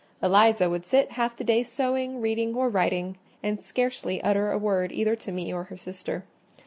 Eliza would sit half the day sewing, reading, or writing, and scarcely utter a word either to me or her sister.